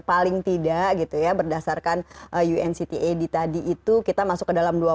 paling tidak berdasarkan unctad tadi itu kita masuk ke dalam dua puluh